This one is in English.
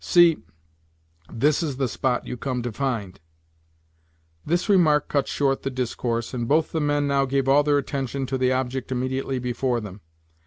See; this is the spot you come to find!" This remark cut short the discourse, and both the men now gave all their attention to the object immediately before them.